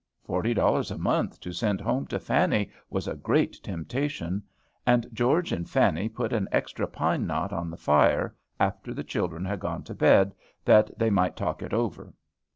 Forty dollars a month to send home to Fanny was a great temptation. And George and Fanny put an extra pine knot on the fire, after the children had gone to bed, that they might talk it over.